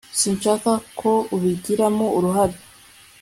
sinshaka ko ubigiramo uruhare